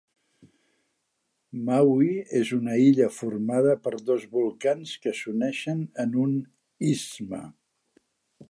Maui és una illa formada per dos volcans que s'uneixen en un istme.